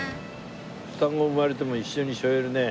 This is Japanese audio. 双子生まれても一緒に背負えるね。